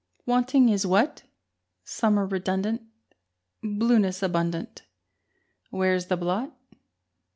Wanting is what? Summer redundant, Blueness abundant, Where is the blot?